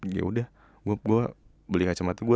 yaudah gue beli kacamata